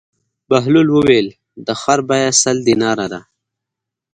بهلول وویل: د خر بېه سل دیناره ده.